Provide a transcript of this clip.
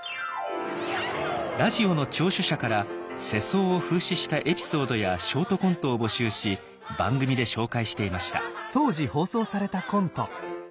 ラジオの聴取者から世相を風刺したエピソードやショートコントを募集し番組で紹介していました。